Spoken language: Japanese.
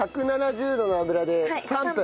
１７０度の油で３分。